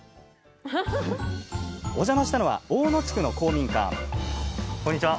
お邪魔したのは大野地区の公民館こんにちは。